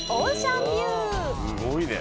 すごいね。